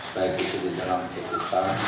baik itu di dalam cerita